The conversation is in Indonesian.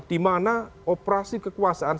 di mana operasi kekuasaan